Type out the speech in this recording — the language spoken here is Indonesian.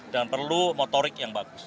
dan perlu motorik yang bagus